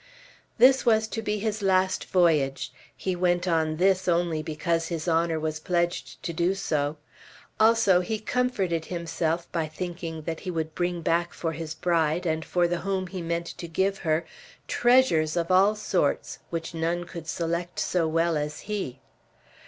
This was to be his last voyage. He went on this only because his honor was pledged to do so. Also, he comforted himself by thinking that he would bring back for his bride, and for the home he meant to give her, treasures of all sorts, which none could select so well as he.